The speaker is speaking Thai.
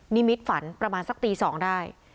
นิมิตฝันประมาณสักตี๒ได้